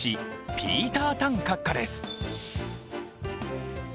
ピーター・タン閣下です。